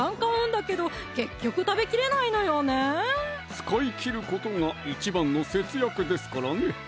使い切ることが一番の節約ですからね